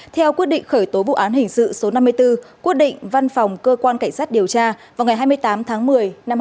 theo quyết định khởi tố vụ án hình sự số năm mươi bốn quyết định văn phòng cơ quan cảnh sát điều tra vào ngày hai mươi tám tháng một mươi năm hai nghìn hai mươi